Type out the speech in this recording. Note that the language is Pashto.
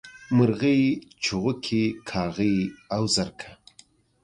مرغۍ، چوغکي کاغۍ او زرکه